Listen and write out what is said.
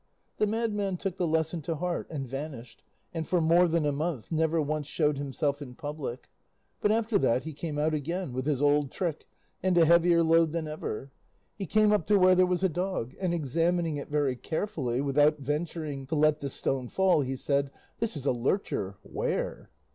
The madman took the lesson to heart, and vanished, and for more than a month never once showed himself in public; but after that he came out again with his old trick and a heavier load than ever. He came up to where there was a dog, and examining it very carefully without venturing to let the stone fall, he said: "This is a lurcher; ware!"